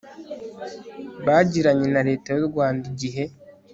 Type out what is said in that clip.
bagiranye na Leta y u Rwanda igihe